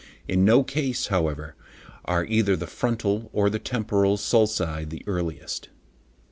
In no case, however, are either the frontal or the temporal sulci the earliest.